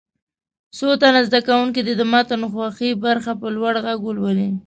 څو تنه زده کوونکي دې د متن خوښې برخه په لوړ غږ ولولي.